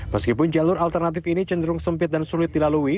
meskipun jalur alternatif ini cenderung sempit dan sulit dilalui